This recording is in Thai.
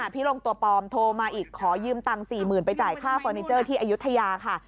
พี่ลงตัวปลอมโทรมาอีกขอยืมตังค์๔๐๐๐ไปจ่ายค่าฟอร์นิเจอร์ที่อายุทยาค่ะ